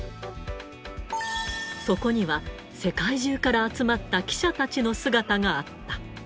そこには、世界中から集まった記者たちの姿があった。